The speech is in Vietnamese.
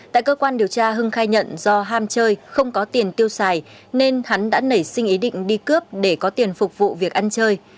tại cơ quan điều tra hưng khai nhận do ham chơi không có tiền tiêu xài nên hắn đã nảy sinh ý định đi cướp để có tiền phục vụ việc ăn chơi